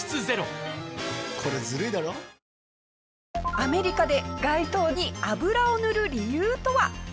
アメリカで街灯に油を塗る理由とは？